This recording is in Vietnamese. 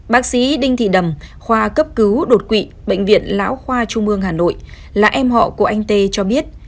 bác sĩ đinh thị đầm khoa cấp cứu đột quỵ bệnh viện lão khoa trung ương hà nội là em họ của anh tê cho biết